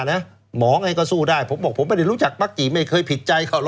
หมอไงก็สู้ได้ผมบอกผมไม่ได้รู้จักมักกี่ไม่เคยผิดใจเขาห